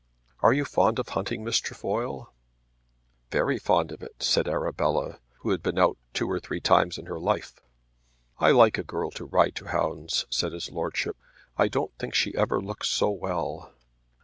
Are you fond of hunting, Miss Trefoil?" "Very fond of it," said Arabella who had been out two or three times in her life. "I like a girl to ride to hounds," said his lordship. "I don't think she ever looks so well."